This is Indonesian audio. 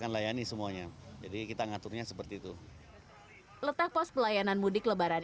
letak pos pelayanan mudik lebaran